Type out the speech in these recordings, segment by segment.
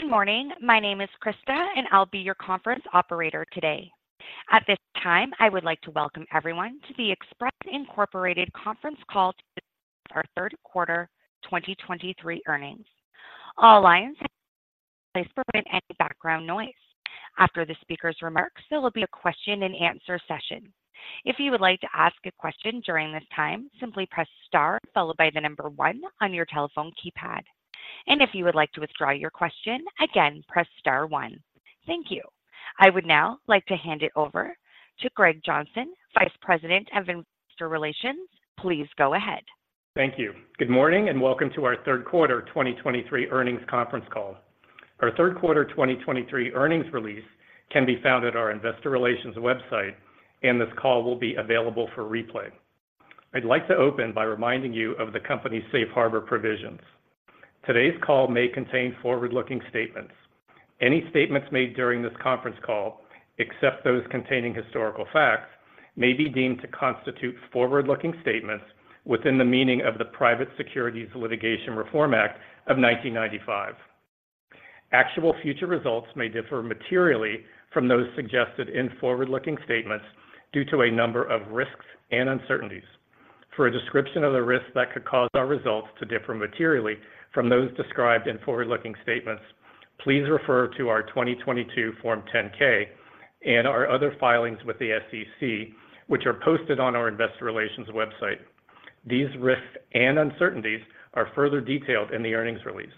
Good morning. My name is Krista, and I'll be your conference operator today. At this time, I would like to welcome everyone to the Express Incorporated conference call for our third quarter 2023 earnings. All lines, please prevent any background noise. After the speaker's remarks, there will be a question and answer session. If you would like to ask a question during this time, simply press star followed by the number one on your telephone keypad. If you would like to withdraw your question, again, press star one. Thank you. I would now like to hand it over to Greg Johnson, Vice President of Investor Relations. Please go ahead. Thank you. Good morning, and welcome to our third quarter 2023 earnings conference call. Our third quarter 2023 earnings release can be found at our investor relations website, and this call will be available for replay. I'd like to open by reminding you of the company's Safe Harbor provisions. Today's call may contain forward-looking statements. Any statements made during this conference call, except those containing historical facts, may be deemed to constitute forward-looking statements within the meaning of the Private Securities Litigation Reform Act of 1995. Actual future results may differ materially from those suggested in forward-looking statements due to a number of risks and uncertainties. For a description of the risks that could cause our results to differ materially from those described in forward-looking statements, please refer to our 2022 Form 10-K and our other filings with the SEC, which are posted on our investor relations website. These risks and uncertainties are further detailed in the earnings release.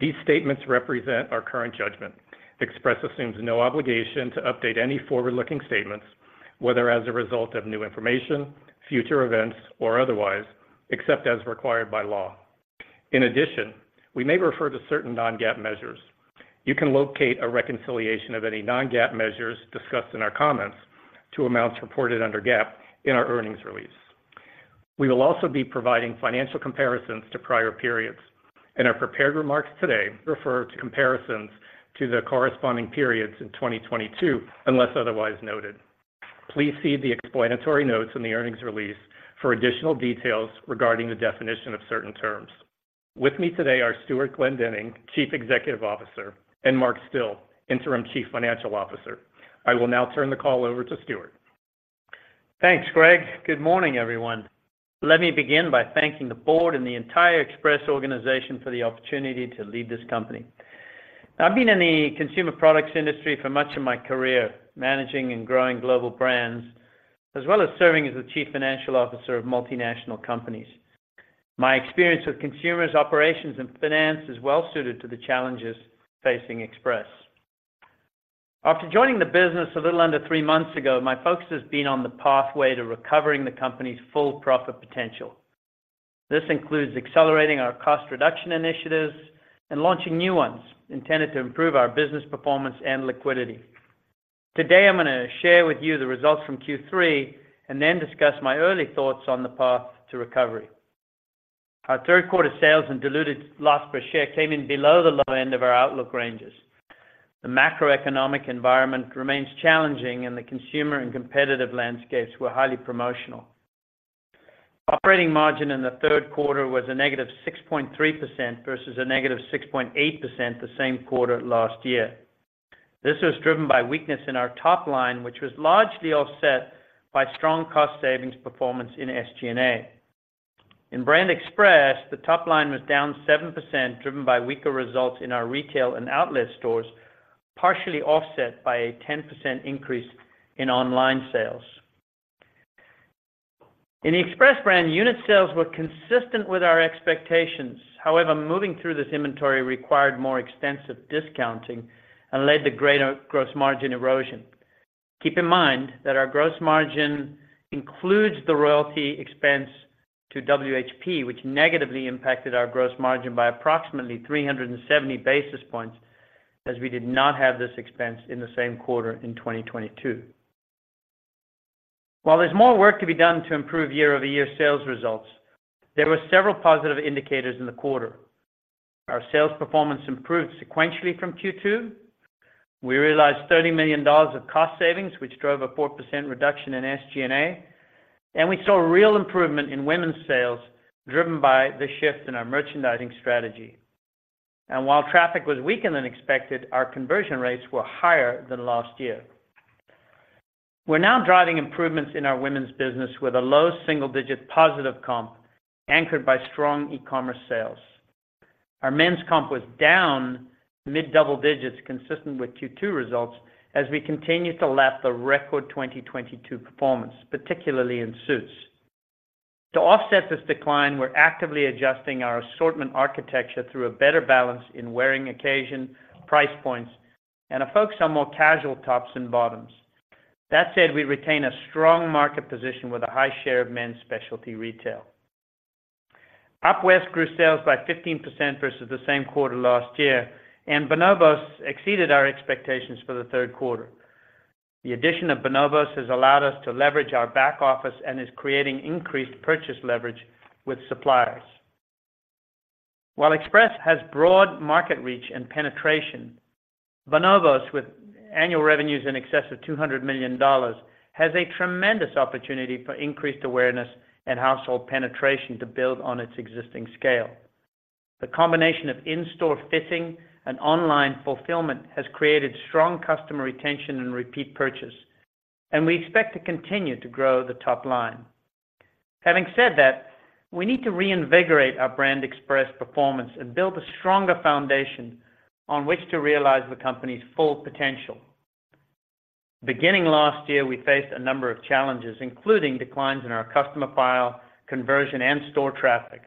These statements represent our current judgment. Express assumes no obligation to update any forward-looking statements, whether as a result of new information, future events, or otherwise, except as required by law. In addition, we may refer to certain non-GAAP measures. You can locate a reconciliation of any non-GAAP measures discussed in our comments to amounts reported under GAAP in our earnings release. We will also be providing financial comparisons to prior periods, and our prepared remarks today refer to comparisons to the corresponding periods in 2022, unless otherwise noted. Please see the explanatory notes in the earnings release for additional details regarding the definition of certain terms. With me today are Stewart Glendinning, Chief Executive Officer, and Mark Still, Interim Chief Financial Officer. I will now turn the call over to Stewart. Thanks, Greg. Good morning, everyone. Let me begin by thanking the board and the entire Express organization for the opportunity to lead this company. I've been in the consumer products industry for much of my career, managing and growing global brands, as well as serving as the Chief Financial Officer of multinational companies. My experience with consumers, operations, and finance is well suited to the challenges facing Express. After joining the business a little under three months ago, my focus has been on the pathway to recovering the company's full profit potential. This includes accelerating our cost reduction initiatives and launching new ones intended to improve our business performance and liquidity. Today, I'm gonna share with you the results from Q3 and then discuss my early thoughts on the path to recovery. Our third quarter sales and diluted loss per share came in below the low end of our outlook ranges. The macroeconomic environment remains challenging, and the consumer and competitive landscapes were highly promotional. Operating margin in the third quarter was a negative 6.3% versus a negative 6.8% the same quarter last year. This was driven by weakness in our top line, which was largely offset by strong cost savings performance in SG&A. In brand Express, the top line was down 7%, driven by weaker results in our retail and outlet stores, partially offset by a 10% increase in online sales. In the Express brand, unit sales were consistent with our expectations. However, moving through this inventory required more extensive discounting and led to greater gross margin erosion. Keep in mind that our gross margin includes the royalty expense to WHP, which negatively impacted our gross margin by approximately 370 basis points, as we did not have this expense in the same quarter in 2022. While there's more work to be done to improve year-over-year sales results, there were several positive indicators in the quarter. Our sales performance improved sequentially from Q2. We realized $30 million of cost savings, which drove a 4% reduction in SG&A, and we saw a real improvement in women's sales, driven by the shift in our merchandising strategy. And while traffic was weaker than expected, our conversion rates were higher than last year. We're now driving improvements in our women's business with a low single-digit positive comp, anchored by strong e-commerce sales. Our men's comp was down mid-double digits, consistent with Q2 results, as we continue to lap the record 2022 performance, particularly in suits. To offset this decline, we're actively adjusting our assortment architecture through a better balance in wearing occasion, price points, and a focus on more casual tops and bottoms. That said, we retain a strong market position with a high share of men's specialty retail. UpWest grew sales by 15% versus the same quarter last year, and Bonobos exceeded our expectations for the third quarter. The addition of Bonobos has allowed us to leverage our back office and is creating increased purchase leverage with suppliers. While Express has broad market reach and penetration... Bonobos, with annual revenues in excess of $200 million, has a tremendous opportunity for increased awareness and household penetration to build on its existing scale. The combination of in-store fitting and online fulfillment has created strong customer retention and repeat purchase, and we expect to continue to grow the top line. Having said that, we need to reinvigorate our brand Express performance and build a stronger foundation on which to realize the company's full potential. Beginning last year, we faced a number of challenges, including declines in our customer file, conversion, and store traffic,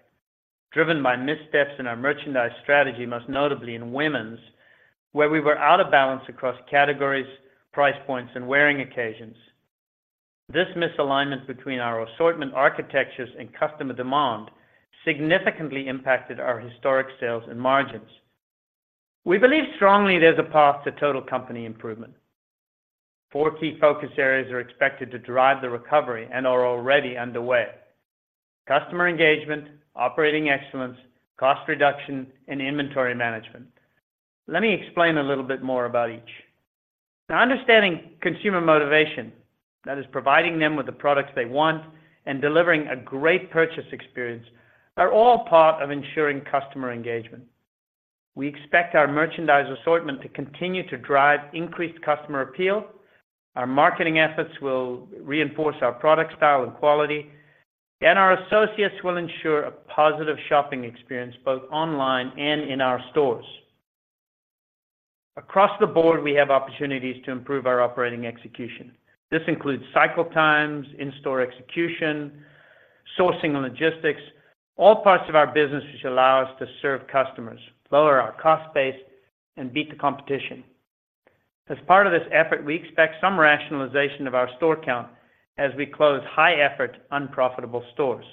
driven by missteps in our merchandise strategy, most notably in women's, where we were out of balance across categories, price points, and wearing occasions. This misalignment between our assortment architectures and customer demand significantly impacted our historic sales and margins. We believe strongly there's a path to total company improvement. Four key focus areas are expected to drive the recovery and are already underway: customer engagement, operating excellence, cost reduction, and inventory management. Let me explain a little bit more about each. Now, understanding consumer motivation, that is providing them with the products they want and delivering a great purchase experience, are all part of ensuring customer engagement. We expect our merchandise assortment to continue to drive increased customer appeal. Our marketing efforts will reinforce our product style and quality, and our associates will ensure a positive shopping experience, both online and in our stores. Across the board, we have opportunities to improve our operating execution. This includes cycle times, in-store execution, sourcing and logistics, all parts of our business which allow us to serve customers, lower our cost base, and beat the competition. As part of this effort, we expect some rationalization of our store count as we close high-effort, unprofitable stores.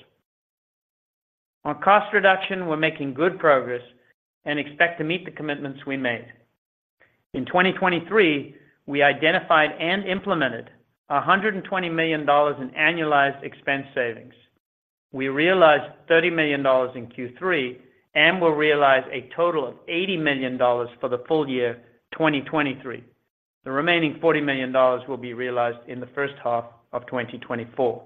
On cost reduction, we're making good progress and expect to meet the commitments we made. In 2023, we identified and implemented $120 million in annualized expense savings. We realized $30 million in Q3 and will realize a total of $80 million for the full year 2023. The remaining $40 million will be realized in the first half of 2024.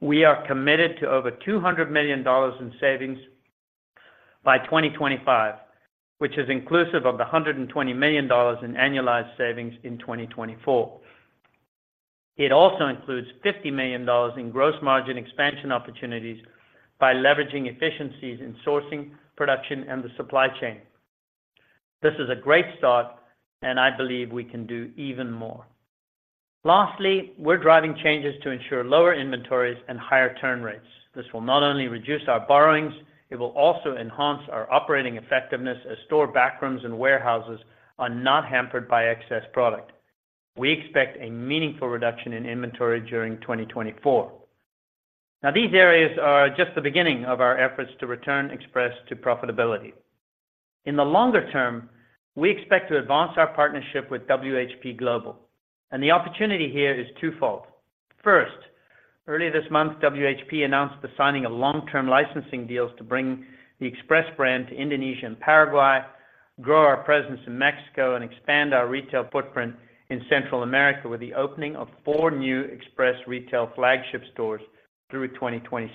We are committed to over $200 million in savings by 2025, which is inclusive of the $120 million in annualized savings in 2024. It also includes $50 million in gross margin expansion opportunities by leveraging efficiencies in sourcing, production, and the supply chain. This is a great start, and I believe we can do even more. Lastly, we're driving changes to ensure lower inventories and higher turn rates. This will not only reduce our borrowings, it will also enhance our operating effectiveness as store back rooms and warehouses are not hampered by excess product. We expect a meaningful reduction in inventory during 2024. Now, these areas are just the beginning of our efforts to return Express to profitability. In the longer term, we expect to advance our partnership with WHP Global, and the opportunity here is twofold. First, earlier this month, WHP announced the signing of long-term licensing deals to bring the Express brand to Indonesia and Paraguay, grow our presence in Mexico, and expand our retail footprint in Central America with the opening of four new Express retail flagship stores through 2026.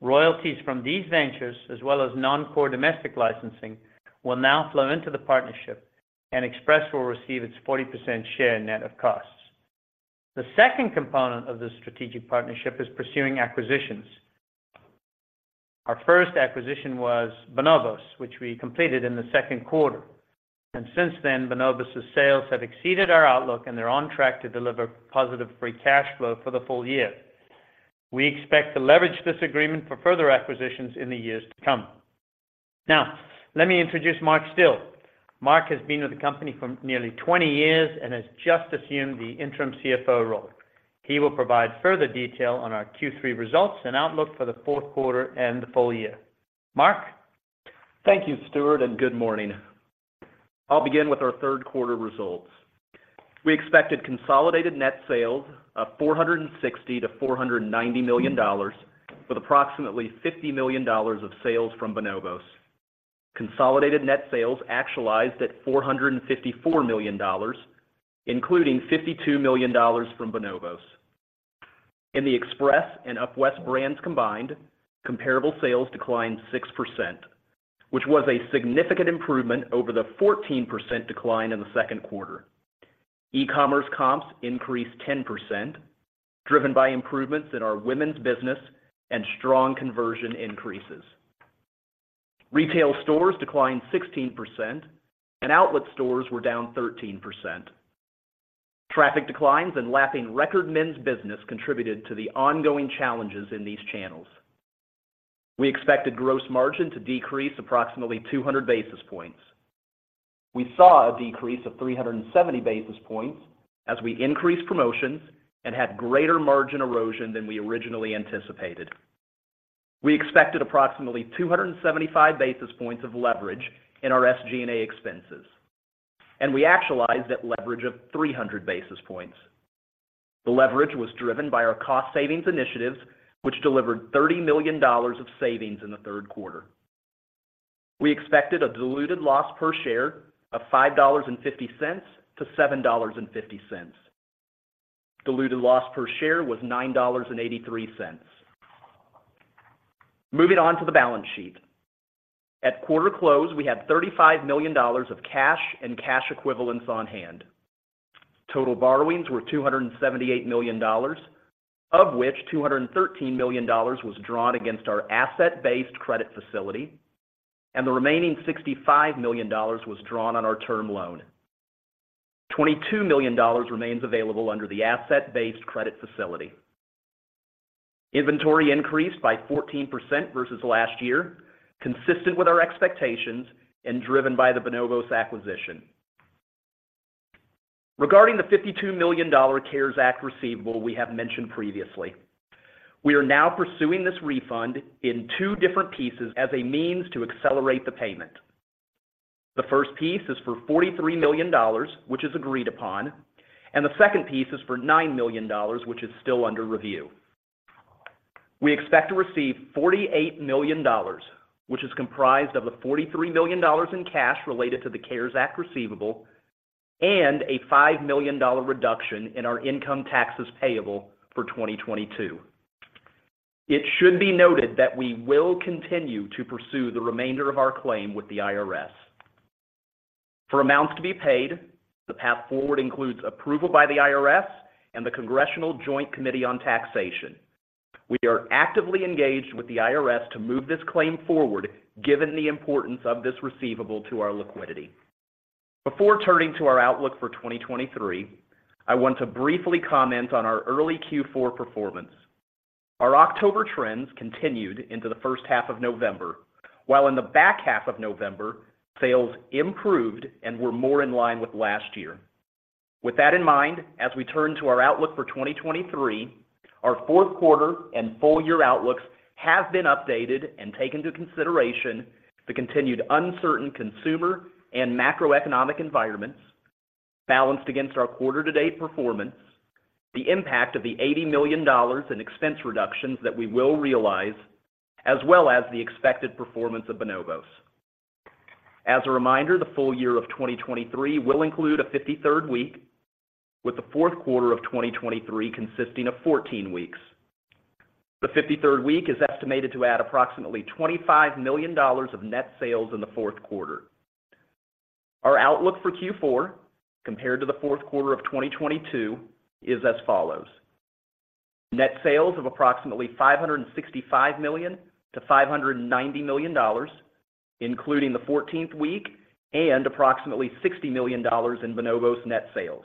Royalties from these ventures, as well as non-core domestic licensing, will now flow into the partnership, and Express will receive its 40% share net of costs. The second component of this strategic partnership is pursuing acquisitions. Our first acquisition was Bonobos, which we completed in the second quarter. Since then, Bonobos' sales have exceeded our outlook, and they're on track to deliver positive free cash flow for the full year. We expect to leverage this agreement for further acquisitions in the years to come. Now, let me introduce Mark Still. Mark has been with the company for nearly 20 years and has just assumed the interim CFO role. He will provide further detail on our Q3 results and outlook for the fourth quarter and the full year. Mark? Thank you, Stewart, and good morning. I'll begin with our third quarter results. We expected consolidated net sales of $460 million-$490 million, with approximately $50 million of sales from Bonobos. Consolidated net sales actualized at $454 million, including $52 million from Bonobos. In the Express and UpWest brands combined, comparable sales declined 6%, which was a significant improvement over the 14% decline in the second quarter. E-commerce comps increased 10%, driven by improvements in our women's business and strong conversion increases. Retail stores declined 16%, and outlet stores were down 13%. Traffic declines and lapping record men's business contributed to the ongoing challenges in these channels. We expected gross margin to decrease approximately 200 basis points. We saw a decrease of 370 basis points as we increased promotions and had greater margin erosion than we originally anticipated. We expected approximately 275 basis points of leverage in our SG&A expenses and we actualized that leverage of 300 basis points. The leverage was driven by our cost savings initiatives, which delivered $30 million of savings in the third quarter. We expected a diluted loss per share of $5.50-$7.50. Diluted loss per share was $9.83. Moving on to the balance sheet. At quarter close, we had $35 million of cash and cash equivalents on hand. Total borrowings were $278 million, of which $213 million was drawn against our asset-based credit facility, and the remaining $65 million was drawn on our term loan. $22 million remains available under the asset-based credit facility. Inventory increased by 14% versus last year, consistent with our expectations and driven by the Bonobos acquisition. Regarding the $52 million CARES Act receivable we have mentioned previously, we are now pursuing this refund in two different pieces as a means to accelerate the payment. The first piece is for $43 million, which is agreed upon, and the second piece is for $9 million, which is still under review. We expect to receive $48 million, which is comprised of the $43 million in cash related to the CARES Act receivable, and a $5 million reduction in our income taxes payable for 2022. It should be noted that we will continue to pursue the remainder of our claim with the IRS. For amounts to be paid, the path forward includes approval by the IRS and the Congressional Joint Committee on Taxation. We are actively engaged with the IRS to move this claim forward, given the importance of this receivable to our liquidity. Before turning to our outlook for 2023, I want to briefly comment on our early Q4 performance. Our October trends continued into the first half of November, while in the back half of November, sales improved and were more in line with last year. With that in mind, as we turn to our outlook for 2023, our fourth quarter and full year outlooks have been updated and take into consideration the continued uncertain consumer and macroeconomic environments, balanced against our quarter to date performance, the impact of the $80 million in expense reductions that we will realize, as well as the expected performance of Bonobos. As a reminder, the full year of 2023 will include a 53rd week, with the fourth quarter of 2023 consisting of 14 weeks. The 53rd week is estimated to add approximately $25 million of net sales in the fourth quarter. Our outlook for Q4, compared to the fourth quarter of 2022, is as follows: Net sales of approximately $565 million-$590 million, including the 14th week and approximately $60 million in Bonobos net sales,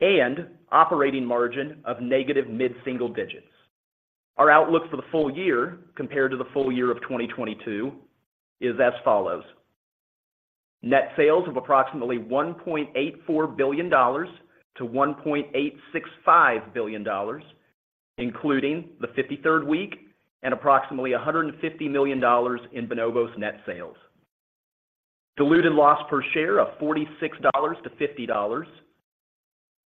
and operating margin of negative mid-single digits. Our outlook for the full year, compared to the full year of 2022, is as follows: Net sales of approximately $1.84 billion-$1.865 billion, including the 53rd week and approximately $150 million in Bonobos net sales. Diluted loss per share of $46-$50,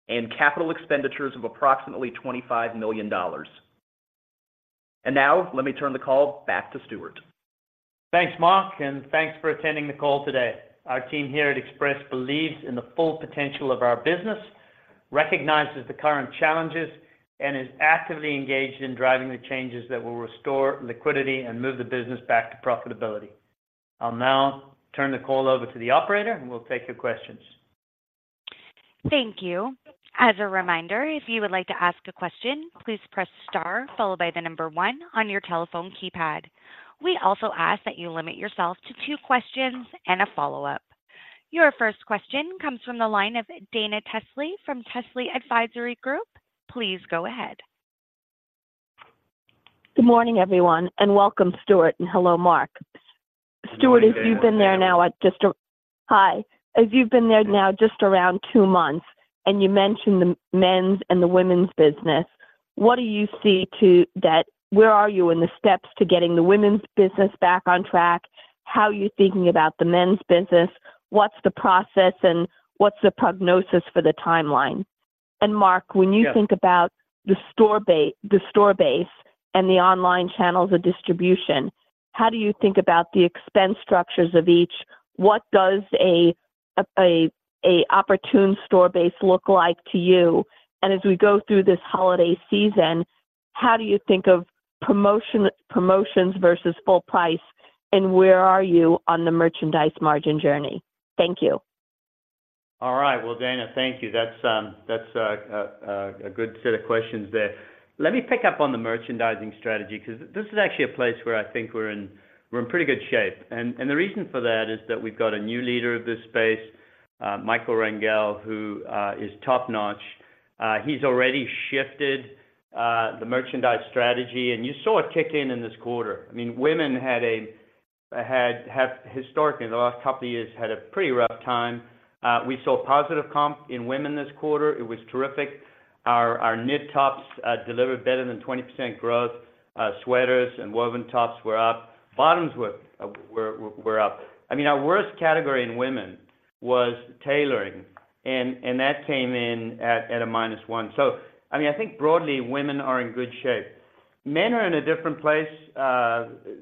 and capital expenditures of approximately $25 million. Now, let me turn the call back to Stewart. Thanks, Mark, and thanks for attending the call today. Our team here at Express believes in the full potential of our business, recognizes the current challenges, and is actively engaged in driving the changes that will restore liquidity and move the business back to profitability. I'll now turn the call over to the operator, and we'll take your questions. Thank you. As a reminder, if you would like to ask a question, please press star followed by the number one on your telephone keypad. We also ask that you limit yourself to two questions and a follow-up. Your first question comes from the line of Dana Telsey from Telsey Advisory Group. Please go ahead. Good morning, everyone, and welcome, Stewart, and hello, Mark. Stewart, as you've been there now, just around two months, and you mentioned the men's and the women's business, what do you see to that, where are you in the steps to getting the women's business back on track? How are you thinking about the men's business? What's the process, and what's the prognosis for the timeline? And Mark, when you think about the store base and the online channels of distribution, how do you think about the expense structures of each? What does a opportune store base look like to you? And as we go through this holiday season, how do you think of promotion, promotions versus full price, and where are you on the merchandise margin journey? Thank you. All right. Well, Dana, thank you. That's a good set of questions there. Let me pick up on the merchandising strategy, because this is actually a place where I think we're in pretty good shape. The reason for that is that we've got a new leader of this space, Michael Rengel, who is top-notch. He's already shifted the merchandise strategy, and you saw it kick in in this quarter. I mean, women have historically, in the last couple of years, had a pretty rough time. We saw positive comp in women this quarter. It was terrific. Our knit tops delivered better than 20% growth. Sweaters and woven tops were up. Bottoms were up. I mean, our worst category in women was tailoring, and that came in at a -1. So, I mean, I think broadly, women are in good shape. Men are in a different place.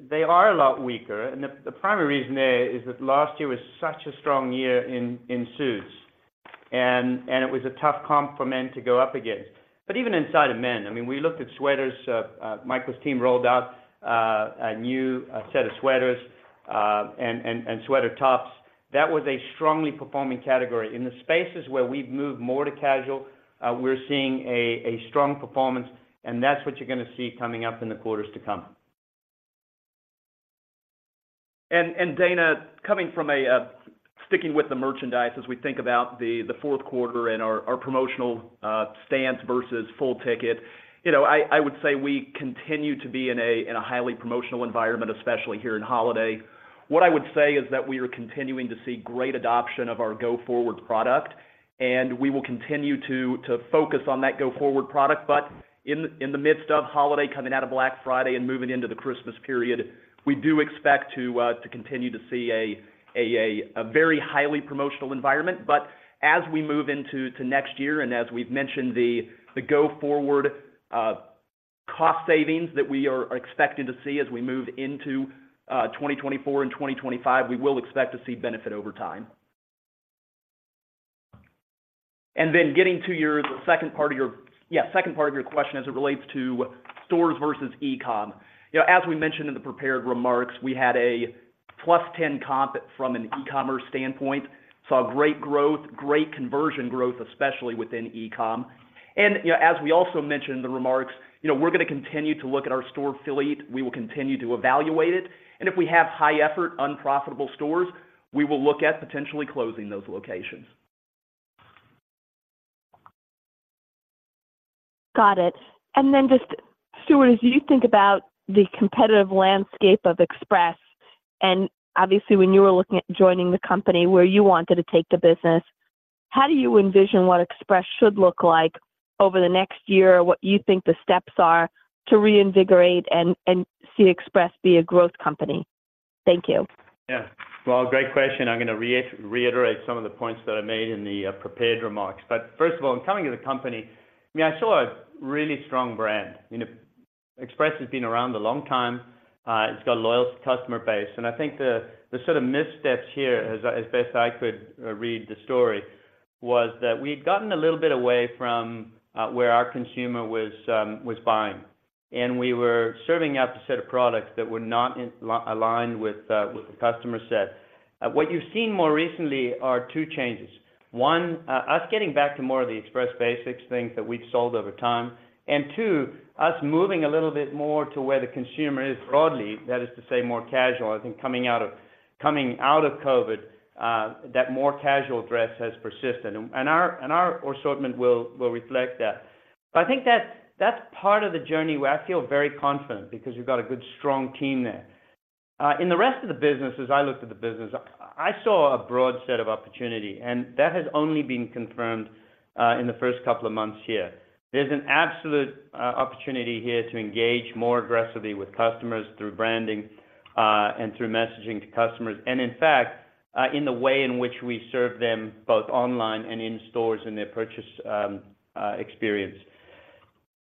They are a lot weaker, and the primary reason there is that last year was such a strong year in suits. And it was a tough comps for men to go up against. But even inside of men, I mean, we looked at sweaters. Michael's team rolled out a new set of sweaters and sweater tops. That was a strongly performing category. In the spaces where we've moved more to casual, we're seeing a strong performance, and that's what you're gonna see coming up in the quarters to come. Dana, coming from a—sticking with the merchandise as we think about the fourth quarter and our promotional stance versus full ticket, you know, I would say we continue to be in a highly promotional environment, especially here in holiday. What I would say is that we are continuing to see great adoption of our go-forward product, and we will continue to focus on that go-forward product. But in the midst of holiday, coming out of Black Friday and moving into the Christmas period, we do expect to continue to see a very highly promotional environment. But as we move into the next year, and as we've mentioned, the go-forward cost savings that we are expecting to see as we move into 2024 and 2025, we will expect to see benefit over time. And then getting to your second part of your, yeah, second part of your question as it relates to stores versus e-com. You know, as we mentioned in the prepared remarks, we had a +10 comp from an e-commerce standpoint. Saw great growth, great conversion growth, especially within e-com. And, you know, as we also mentioned in the remarks, you know, we're gonna continue to look at our store affiliate. We will continue to evaluate it, and if we have high effort, unprofitable stores, we will look at potentially closing those locations. Got it. And then just, Stewart, as you think about the competitive landscape of Express, and obviously, when you were looking at joining the company, where you wanted to take the business, how do you envision what Express should look like over the next year? What you think the steps are to reinvigorate and see Express be a growth company? Thank you. Yeah. Well, great question. I'm gonna reiterate some of the points that I made in the prepared remarks. But first of all, in coming to the company, I mean, I saw a really strong brand. You know, Express has been around a long time. It's got a loyal customer base, and I think the sort of missteps here, as best I could read the story, was that we'd gotten a little bit away from where our consumer was buying. And we were serving up a set of products that were not in aligned with the customer set. What you've seen more recently are two changes. One, us getting back to more of the Express basics, things that we've sold over time. And two, us moving a little bit more to where the consumer is broadly, that is to say, more casual. I think coming out of COVID, that more casual dress has persisted, and our assortment will reflect that. But I think that's part of the journey where I feel very confident because we've got a good, strong team there. In the rest of the business, as I looked at the business, I saw a broad set of opportunity, and that has only been confirmed in the first couple of months here. There's an absolute opportunity here to engage more aggressively with customers through branding, and through messaging to customers, and in fact, in the way in which we serve them, both online and in stores, in their purchase experience.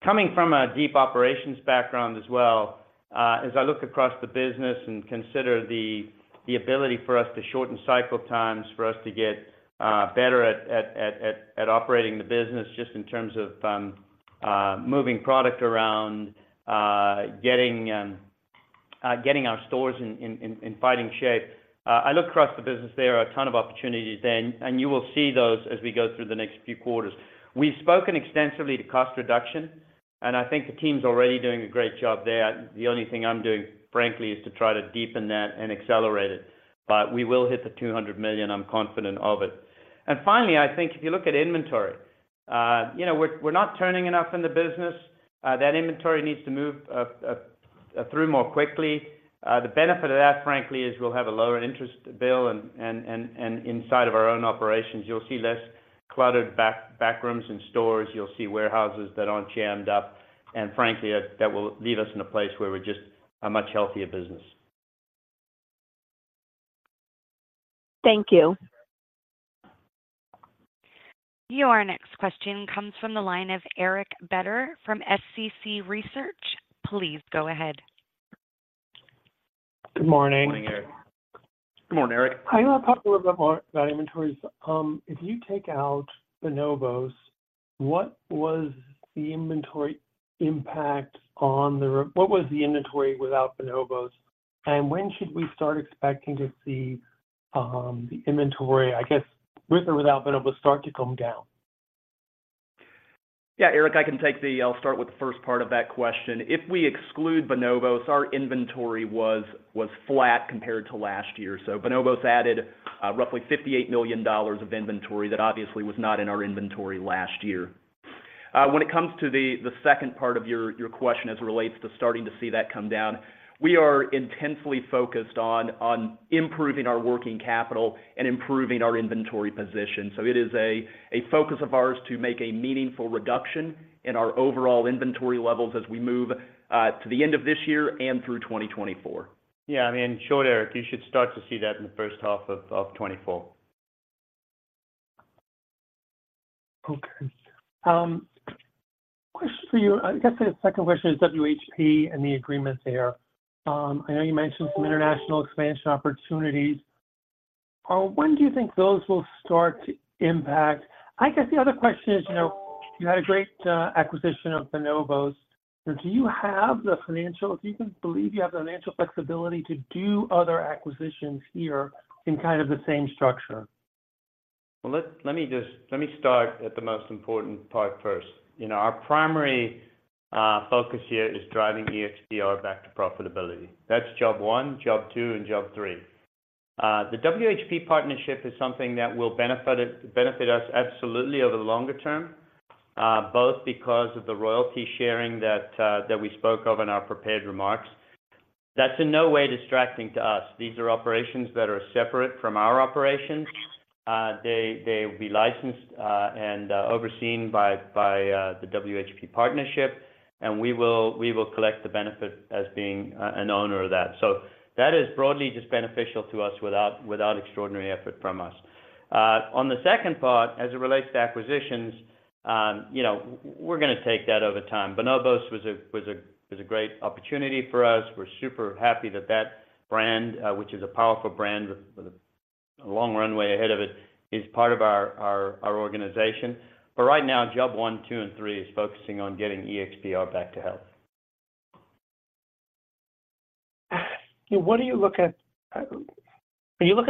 Coming from a deep operations background as well, as I look across the business and consider the ability for us to shorten cycle times, for us to get better at operating the business, just in terms of moving product around, getting our stores in fighting shape. I look across the business, there are a ton of opportunities there, and you will see those as we go through the next few quarters. We've spoken extensively to cost reduction, and I think the team's already doing a great job there. The only thing I'm doing, frankly, is to try to deepen that and accelerate it. But we will hit $200 million. I'm confident of it. And finally, I think if you look at inventory, you know, we're not turning enough in the business. That inventory needs to move through more quickly. The benefit of that, frankly, is we'll have a lower interest bill, and inside of our own operations, you'll see less cluttered back rooms in stores. You'll see warehouses that aren't jammed up, and frankly, that will leave us in a place where we're just a much healthier business. Thank you. Your next question comes from the line of Eric Beder from SCC Research. Please go ahead. Good morning. Good morning, Eric. Good morning, Eric. I want to talk a little bit more about inventories. If you take out Bonobos, what was the inventory impact? What was the inventory without Bonobos, and when should we start expecting to see the inventory, I guess, with or without Bonobos, start to come down? Yeah, Eric, I can take the... I'll start with the first part of that question. If we exclude Bonobos, our inventory was flat compared to last year. So Bonobos added roughly $58 million of inventory that obviously was not in our inventory last year.... When it comes to the second part of your question as it relates to starting to see that come down, we are intensely focused on improving our working capital and improving our inventory position. So it is a focus of ours to make a meaningful reduction in our overall inventory levels as we move to the end of this year and through 2024. Yeah, I mean, sure, Eric, you should start to see that in the first half of 2024. Okay. Question for you. I guess the second question is WHP and the agreements there. I know you mentioned some international expansion opportunities. When do you think those will start to impact? I guess the other question is, you know, you had a great acquisition of Bonobos. So do you have the financial—do you believe you have the financial flexibility to do other acquisitions here in kind of the same structure? Well, let me just let me start at the most important part first. You know, our primary focus here is driving EXPR back to profitability. That's job one, job two, and job three. The WHP partnership is something that will benefit it, benefit us absolutely over the longer term, both because of the royalty sharing that we spoke of in our prepared remarks. That's in no way distracting to us. These are operations that are separate from our operations. They will be licensed and overseen by the WHP partnership, and we will collect the benefit as being an owner of that. So that is broadly just beneficial to us without extraordinary effort from us. On the second part, as it relates to acquisitions, you know, we're gonna take that over time. Bonobos was a great opportunity for us. We're super happy that brand, which is a powerful brand with a long runway ahead of it, is part of our organization. But right now, job one, two, and three is focusing on getting EXPR back to health. What do you think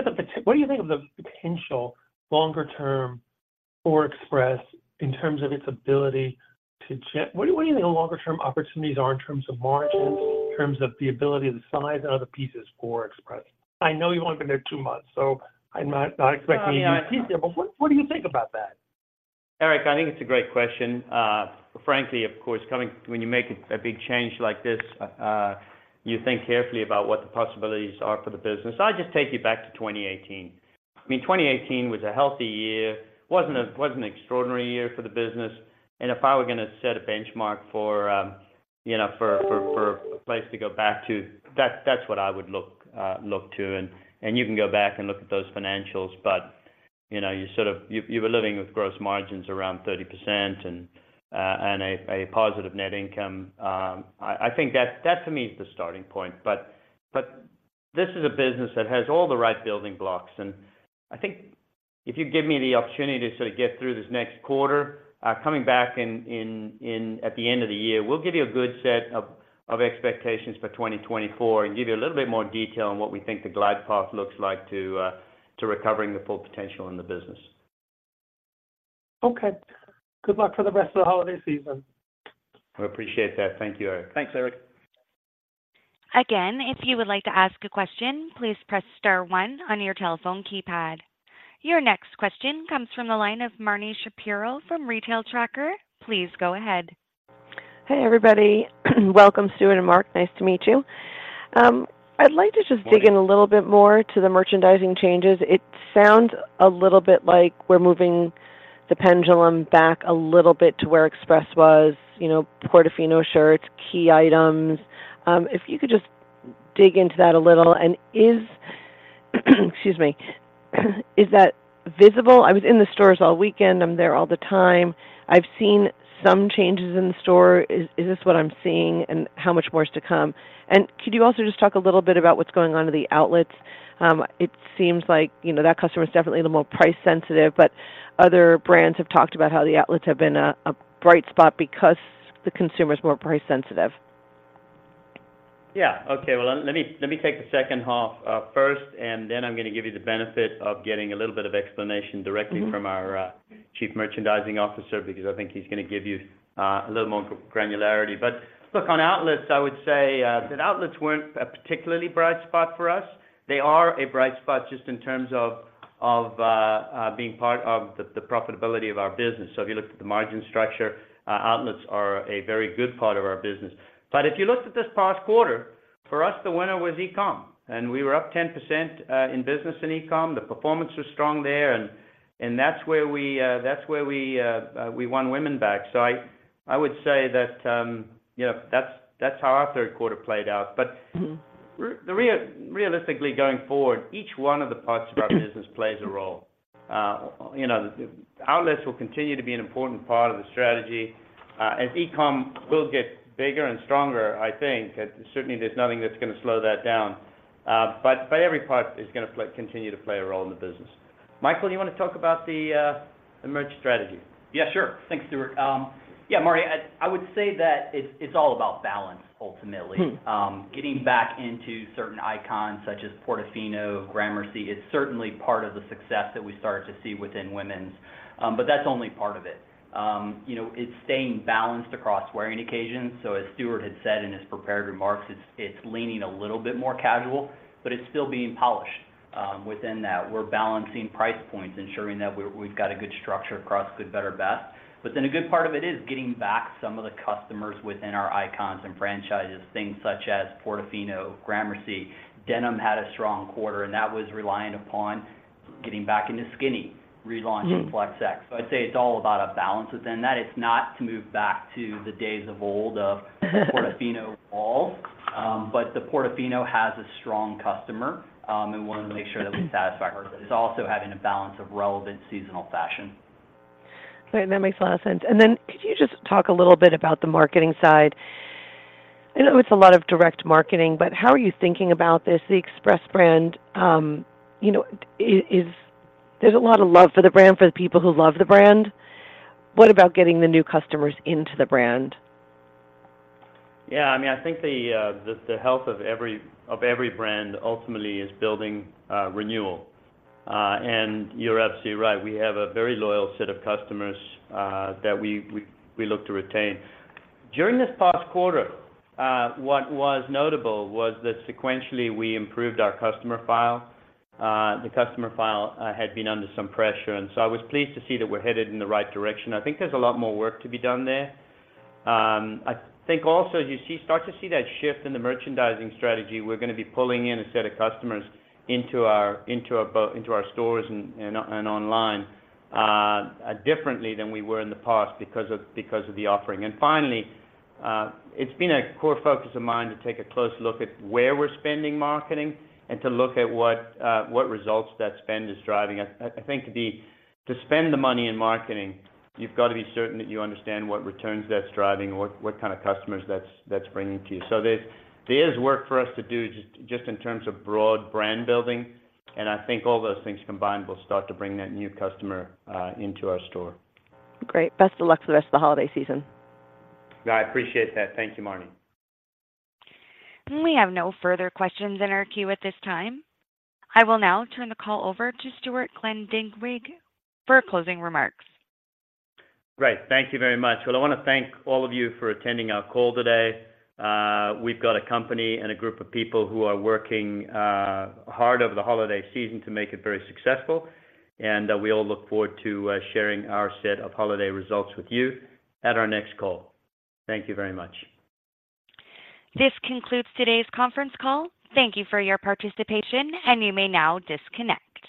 of the potential longer term for Express in terms of its ability. What, what do you think the longer term opportunities are in terms of margins, in terms of the ability of the size and other pieces for Express? I know you've only been there two months, so I'm not, not expecting you to tease there. But what, what do you think about that? Eric, I think it's a great question. Frankly, of course, coming when you make a big change like this, you think carefully about what the possibilities are for the business. I'll just take you back to 2018. I mean, 2018 was a healthy year. It wasn't, it wasn't an extraordinary year for the business, and if I were gonna set a benchmark for, you know, for a place to go back to, that's what I would look to. And you can go back and look at those financials, but, you know, you sort of, you were living with gross margins around 30% and a positive net income. I think that to me is the starting point. But this is a business that has all the right building blocks, and I think if you give me the opportunity to sort of get through this next quarter, coming back in at the end of the year, we'll give you a good set of expectations for 2024 and give you a little bit more detail on what we think the glide path looks like to recovering the full potential in the business. Okay. Good luck for the rest of the holiday season. I appreciate that. Thank you, Eric. Thanks, Eric. Again, if you would like to ask a question, please press star one on your telephone keypad. Your next question comes from the line of Marni Shapiro from Retail Tracker. Please go ahead. Hey, everybody. Welcome, Stewart and Mark. Nice to meet you. I'd like to just dig in a little bit more to the merchandising changes. It sounds a little bit like we're moving the pendulum back a little bit to where Express was, you know, Portofino shirts, key items. If you could just dig into that a little, and is, excuse me, is that visible? I was in the stores all weekend. I'm there all the time. I've seen some changes in the store. Is, is this what I'm seeing, and how much more is to come? And could you also just talk a little bit about what's going on in the outlets? It seems like, you know, that customer is definitely a little more price sensitive, but other brands have talked about how the outlets have been a bright spot because the consumer is more price sensitive. Yeah. Okay. Well, let me take the second half first, and then I'm gonna give you the benefit of getting a little bit of explanation directly- Mm-hmm... from our chief merchandising officer, because I think he's gonna give you a little more granularity. But look, on outlets, I would say that outlets weren't a particularly bright spot for us. They are a bright spot just in terms of being part of the profitability of our business. So if you looked at the margin structure, outlets are a very good part of our business. But if you looked at this past quarter, for us, the winner was e-com, and we were up 10% in business in e-com. The performance was strong there, and that's where we won women back. So I would say that, you know, that's how our third quarter played out. But- Mm-hmm... realistically, going forward, each one of the parts of our business plays a role. You know, outlets will continue to be an important part of the strategy, as e-com will get bigger and stronger, I think. Certainly, there's nothing that's gonna slow that down. But every part is gonna play, continue to play a role in the business. Michael, you want to talk about the merch strategy? Yeah, sure. Thanks, Stewart. Yeah, Marni, I would say that it's all about balance, ultimately. Mm-hmm. Getting back into certain icons such as Portofino, Gramercy, is certainly part of the success that we start to see within women's. But that's only part of it. You know, it's staying balanced across wearing occasions. As Stewart had said in his prepared remarks, it's leaning a little bit more casual, but it's still being polished. Within that, we're balancing price points, ensuring that we've got a good structure across good, better, best. But then a good part of it is getting back some of the customers within our icons and franchises, things such as Portofino, Gramercy. Denim had a strong quarter, and that was reliant upon,... getting back into skinny, relaunching Flex. So I'd say it's all about a balance within that. It's not to move back to the days of old, of Portofino all, but the Portofino has a strong customer, and we wanna make sure that we satisfy her. It's also having a balance of relevant seasonal fashion. Great, that makes a lot of sense. And then could you just talk a little bit about the marketing side? I know it's a lot of direct marketing, but how are you thinking about this, the Express brand, you know, there's a lot of love for the brand, for the people who love the brand. What about getting the new customers into the brand? Yeah, I mean, I think the health of every brand ultimately is building renewal. And you're absolutely right, we have a very loyal set of customers that we look to retain. During this past quarter, what was notable was that sequentially, we improved our customer file. The customer file had been under some pressure, and so I was pleased to see that we're headed in the right direction. I think there's a lot more work to be done there. I think also, as you start to see that shift in the merchandising strategy, we're gonna be pulling in a set of customers into our stores and online differently than we were in the past because of the offering. And finally, it's been a core focus of mine to take a close look at where we're spending marketing and to look at what results that spend is driving. I think to spend the money in marketing, you've got to be certain that you understand what returns that's driving or what kind of customers that's bringing to you. So there's work for us to do in terms of broad brand building, and I think all those things combined will start to bring that new customer into our store. Great. Best of luck for the rest of the holiday season. I appreciate that. Thank you, Marni. We have no further questions in our queue at this time. I will now turn the call over to Stewart Glendinning for closing remarks. Great. Thank you very much. Well, I wanna thank all of you for attending our call today. We've got a company and a group of people who are working hard over the holiday season to make it very successful, and we all look forward to sharing our set of holiday results with you at our next call. Thank you very much. This concludes today's conference call. Thank you for your participation, and you may now disconnect.